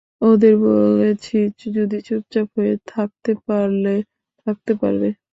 ওদের বলেছি যদি চুপচাপ হয়ে থাকতে পারলে থাকতে পারবে।